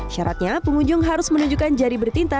syaratnya pengunjung harus menunjukkan jari bertinta